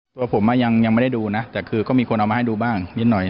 ตัวผมยังไม่ได้ดูนะแต่คือก็มีคนเอามาให้ดูบ้างนิดหน่อย